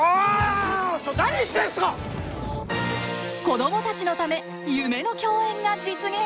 子どもたちのため夢の共演が実現！